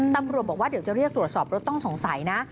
ตำรวจบอกว่าเดี๋ยวจะเรียกตรวจสอบรถต้องสงสัยนะ